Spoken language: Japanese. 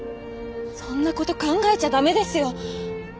そんなこと考えちゃ駄目ですよ。